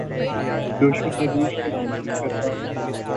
جوش و خروش کو پسند کرتا ہوں